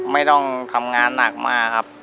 ไม่ต้องทำงานหนักมากครับ